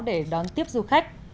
để đón tiếp du khách